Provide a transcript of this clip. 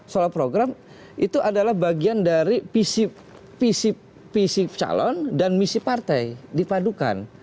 soal program itu adalah bagian dari visi calon dan misi partai dipadukan